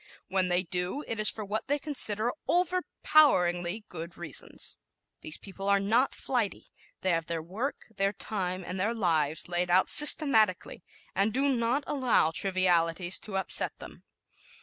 When they do, it is for what they consider overpoweringly good reasons. These people are not flighty. They have their work, their time and their lives laid out systematically and do not allow trivialities to upset them.